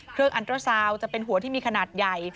เครื่องอันเตอร์ซาวจะเป็นหัวที่มีขนาดใหญ่